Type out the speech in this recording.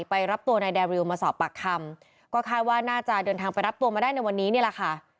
รับตัวนายแดริวมาสอบปากคำก็คาดว่าน่าจะเดินทางไปรับตัวมาได้ในวันนี้นี่แหละค่ะ